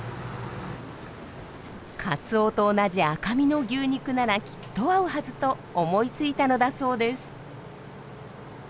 カツオと同じ赤身の牛肉ならきっと合うはずと思いついたのだそうです。